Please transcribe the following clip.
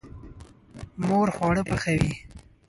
مور خواړه پخوي.